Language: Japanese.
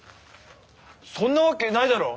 そんなわけないだろ！